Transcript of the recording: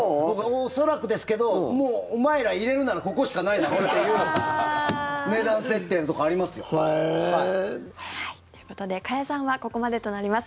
恐らくですけど、もうお前ら入れるならここしかないだろ？っていう値段設定のところありますよ。ということで、加谷さんはここまでとなります。